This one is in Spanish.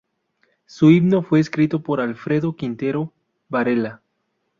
Su himno fue escrito por Alfredo Quintero Varela.